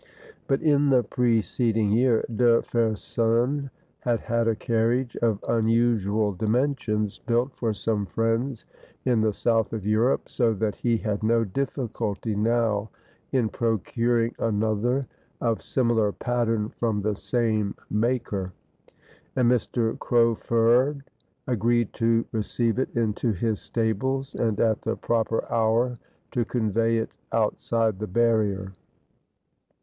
But in the preceding year, De Fersen had had a carriage of unusual dimensions built for some friends in the south of Europe, so that he had no difficulty now in procuring another of similar pattern from the same maker; and Mr. Craufurd agreed to receive it into his stables, and at the proper hour to convey it outside the barrier.